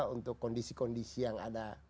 untuk kondisi kondisi yang ada